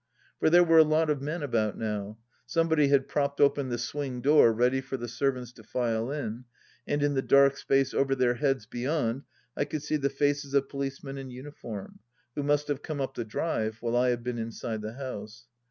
For there were a lot of men about now. Somebody had propped open the swing door ready for the servants to file in, and in the dark space over their heads beyond I could see the faces of policemen in xmiform, who must have come up the drive while I had been inside the house.